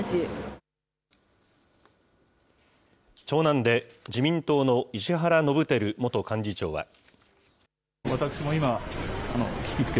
長男で自民党の石原伸晃元幹事長は。